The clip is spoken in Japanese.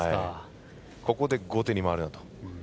ここで後手に回るなと。